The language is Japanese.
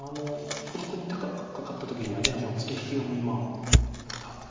小目に高くカカった時にはツケ引きが今また。